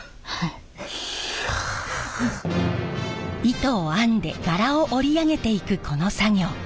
糸を編んで柄を織り上げていくこの作業。